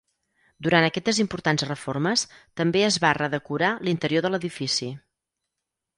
Durant aquestes importants reformes també es va redecorar l'interior de l'edifici.